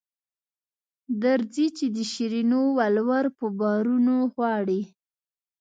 درځئ چې د شیرینو ولور په بارونو غواړي.